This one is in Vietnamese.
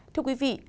thưa quý vị